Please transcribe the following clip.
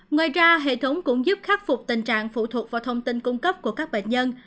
ngoài ra hệ thống cũng giúp khắc phục tình trạng phụ thuộc vào thông tin cung cấp của các bệnh nhân